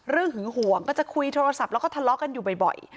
หึงห่วงก็จะคุยโทรศัพท์แล้วก็ทะเลาะกันอยู่บ่อย